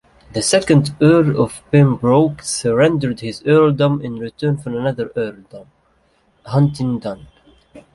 The second Earl of Pembroke surrendered his earldom in return for another earldom, Huntingdon.